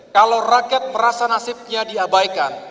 kalau rakyat merasa nasibnya diabaikan